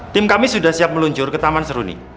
tim kami sudah siap meluncur ke taman seruni